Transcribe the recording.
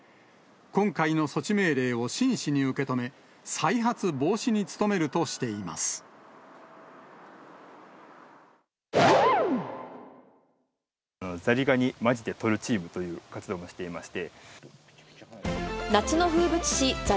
今回の措置命令を真摯に受け止め、再発防止に努めるとしています。